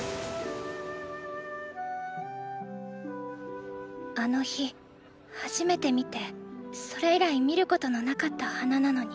心の声あの日初めて見てそれ以来見ることのなかった花なのに。